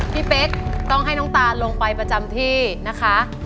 เป๊กต้องให้น้องตานลงไปประจำที่นะคะ